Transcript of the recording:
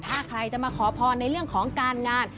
ถ้าใครจะมาขอพรในเรื่องของการงาน